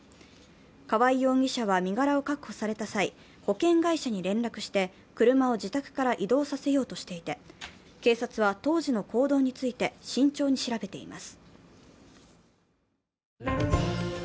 川合容疑者は身柄を確保された際、保険会社に連絡して車を自宅から移動させようとしていて警察は当時の行動について慎重に調べています。